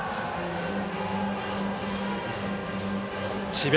智弁